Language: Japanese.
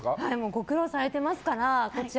ご苦労されてますから。